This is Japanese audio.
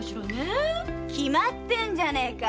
決まってんじゃねえか！